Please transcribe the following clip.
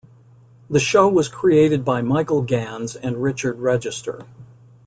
The show was created by Michael Gans and Richard Register.